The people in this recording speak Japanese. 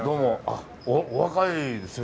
あお若いですね。